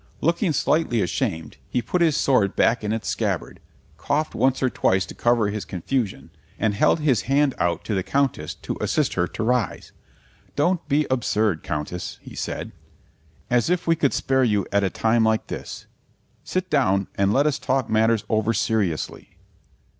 Looking slightly ashamed he put his sword back in its scabbard, coughed once or twice to cover his confusion, and held his hand out to the Countess to assist her to rise. "Don't be absurd, Countess," he said. "As if we could spare you at a time like this. Sit down and let us talk matters over seriously."